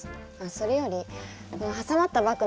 それよりこの挟まったバッグ